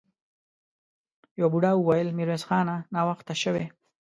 يوه بوډا وويل: ميرويس خانه! ناوخته شوې!